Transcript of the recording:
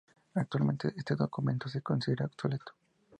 Actualmente este documento se considera obsoleto.